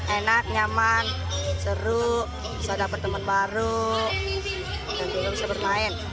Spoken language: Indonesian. enak nyaman seru bisa dapat teman baru bisa bermain